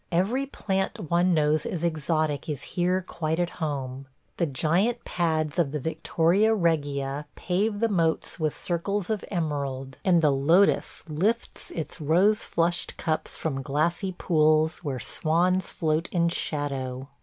Every plant one knows as exotic is here quite at home – the giant pads of the Victoria regia pave the moats with circles of emerald, and the lotus lifts its rose flushed cups from glassy pools where swans float in shadow.